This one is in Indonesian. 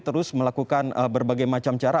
terus melakukan berbagai macam cara